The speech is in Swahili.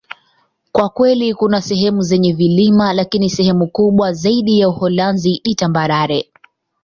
Kwa kweli, kuna sehemu zenye vilima, lakini sehemu kubwa zaidi ya Uholanzi ni tambarare.